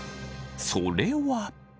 それは。